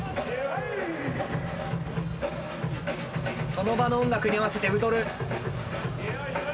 その場の音楽に合わせて踊る。